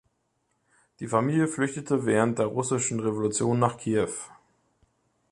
Die Familie flüchtete während der Russischen Revolution nach Kiew.